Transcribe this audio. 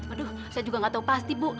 aduh saya juga nggak tahu pasti bu